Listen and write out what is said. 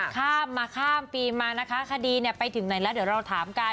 ข้ามมาข้ามปีมานะคะคดีเนี่ยไปถึงไหนแล้วเดี๋ยวเราถามกัน